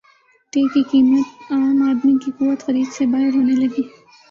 ٹےکی قیمت عام دمی کی قوت خرید سے باہر ہونے لگی